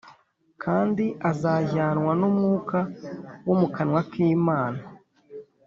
kandi azajyanwa n’umwuka wo mu kanwa k’imana